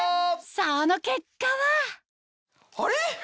その結果はあれ？